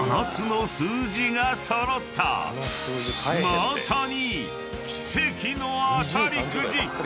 ［まさに］